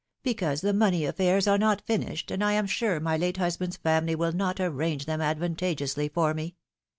Because the money affairs are not finished, and I am sure my late husband's family will not arrange them advantageously for me."